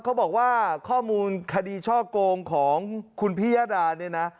เขาบอกว่าข้อมูลคดีช่อโกงของคุณพิยดาเนี่ยนะ